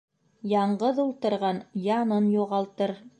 Яңғыҙ ултырған янын юғалтыр.